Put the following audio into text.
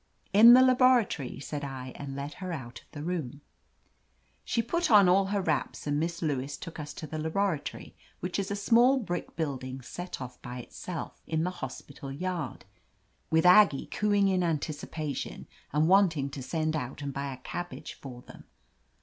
"In the laboratory," said I, and led her out of the room. She put on all her wraps and Miss Lewis took us to the laboratory, which is a small brick building set off by itself in the hospital yard, with Aggie cooing in anticipation and wanting to send out and buy a cabbage for them.